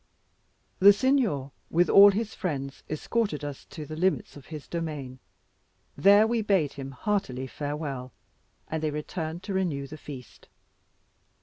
The Signor, with all his friends, escorted us to the limits of his domain; there we bade them heartily farewell, and they returned to renew the feast.